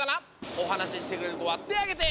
おはなししてくれるこはてあげて！